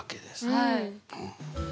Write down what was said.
はい。